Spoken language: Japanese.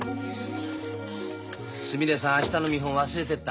すみれさん明日の見本忘れてった。